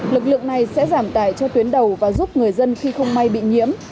lực lượng này sẽ giảm tài cho tuyến đầu và giúp người dân khi không may bị nhiễm